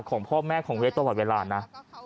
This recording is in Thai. ของพ่อแม่ของเวฟด์ต่อไหว้เวลานะ